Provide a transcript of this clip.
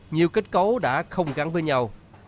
nhiều kết cấu đã không gắn với nhau